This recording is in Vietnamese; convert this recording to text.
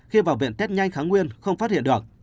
khi vào viện test nhanh kháng nguyên không phát hiện được